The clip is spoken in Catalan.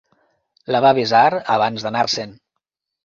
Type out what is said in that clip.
La va besar abans d'anar-se'n.